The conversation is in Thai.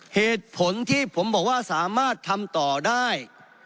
เหตุผลที่ผมบอกว่าสามารถทำต่อได้